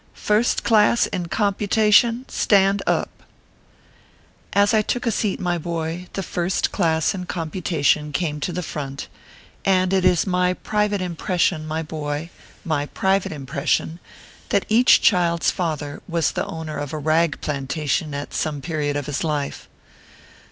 First class in computation stand up/ As I took a seat, my boy, the first class in compu tation came to the front ; and it is my private impres sion, my boy my private impression that each ORPHEUS C. KERR PAPERS. 287 child s father was the owner of a rag plantation at some period of his life.